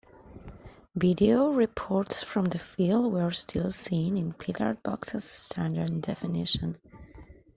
Video reports from the field were still seen in pillarboxed standard definition.